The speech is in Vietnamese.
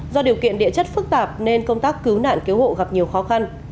do điều kiện địa chất phức tạp nên công tác cứu nạn cứu hộ gặp nhiều khó khăn